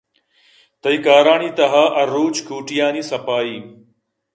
تئی کارانی تہا ہر روچ کوٹیانی صفائی